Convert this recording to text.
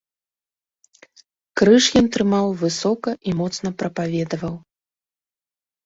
Крыж ён трымаў высока і моцна прапаведаваў.